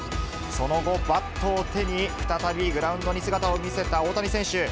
その後、バットを手に、再びグラウンドに姿を見せた大谷選手。